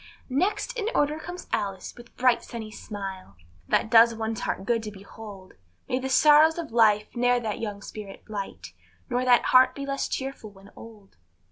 Next in order comes Alice, with bright sunny smile, That does one's heart good to behold; May the sorrows of life ne'er that young spirit blight, Nor that heart be less cheerful when old.